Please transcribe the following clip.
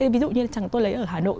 ví dụ như tôi lấy ở hà nội